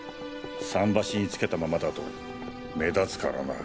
桟橋につけたままだと目立つからな。